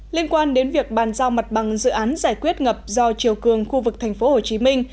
liên quan đến việc bàn giao mặt bằng dự án giải quyết ngập do chiều cường khu vực thành phố hồ chí minh